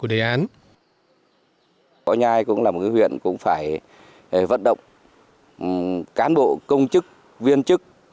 võ nhai cũng là một huyện phải vận động cán bộ công chức viên chức